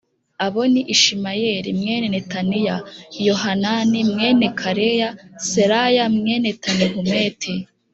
Abo ni ishimayeli mwene netaniya yohanani mwene kareya seraya mwene tanihumeti